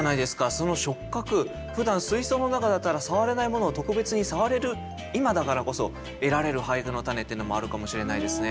その触覚ふだん水槽の中だったら触れないものを特別に触れる今だからこそ得られる俳句の種ってのもあるかもしれないですね。